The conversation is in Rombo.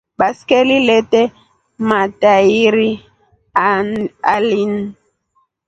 Baskeli lete matairi aili.